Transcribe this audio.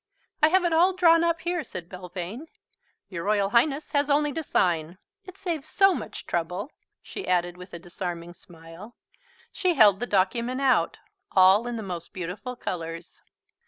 "I have it all drawn up here," said Belvane. "Your Royal Highness has only to sign. It saves so much trouble," she added with a disarming smile. ... She held the document out all in the most beautiful colours.